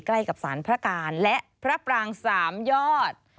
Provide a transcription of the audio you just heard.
ใกล้กับสารพระการและพระปรางสามยอด